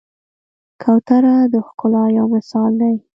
کوتره د ښکلا یو مثال دی.